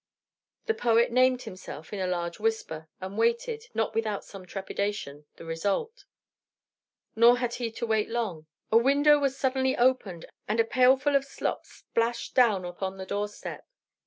The poet named himself in a loud whisper, and waited, not without some trepidation, the result. Nor had he to wait long. A window was suddenly opened, and a pailful of slops splashed down upon the doorstep.